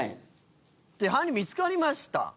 犯人見つかりました。